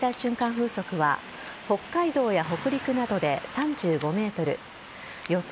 風速は北海道や北陸などで３５メートル予想